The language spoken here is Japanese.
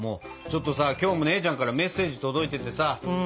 ちょっとさ今日も姉ちゃんからメッセージ届いててさこれ見てよ。